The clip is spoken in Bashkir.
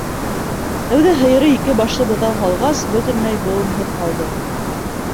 Тәүҙә һыйыры ике башлы быҙау һалғас, бөтөнләй быуынһыҙ ҡалды.